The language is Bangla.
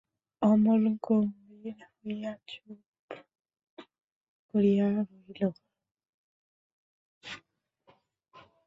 অমল গম্ভীর হইয়া চুপ করিয়া রহিল।